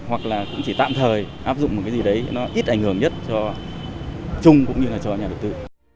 hoặc là cũng chỉ tạm thời áp dụng một cái gì đấy nó ít ảnh hưởng nhất chung cũng như là cho nhà đầu tư